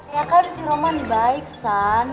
ya kan si roman baik san